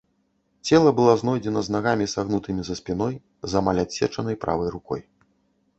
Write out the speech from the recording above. Цела было знойдзена з нагамі, сагнутымі за спіной, з амаль адсечанай правай рукой.